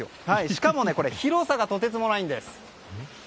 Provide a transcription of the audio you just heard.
しかもここ広さがとてつもないんです。